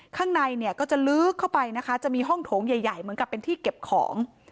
ข้างในเนี่ยก็จะลึกเข้าไปนะคะจะมีห้องโถงใหญ่เหมือนกับเป็นที่เก็บของ